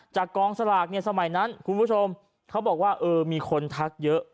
จากกองสลากสมัยนั้นคุณผู้ชมเขาบอกว่ามีคนทักเยอะ